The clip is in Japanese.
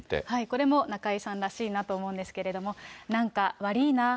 これも中居さんらしいなと思うんですけれども、なんか、わりぃなー。